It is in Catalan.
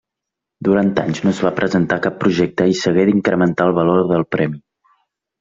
Durant anys no es va presentar cap projecte i s'hagué d'incrementar el valor del premi.